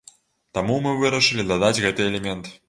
Таму мы вырашылі дадаць гэты элемент.